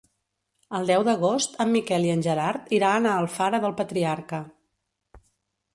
El deu d'agost en Miquel i en Gerard iran a Alfara del Patriarca.